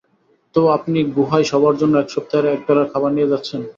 তো, আপনি গুহায় সবার জন্য এক সপ্তাহের একবেলার খাবার নিয়ে যাচ্ছেন।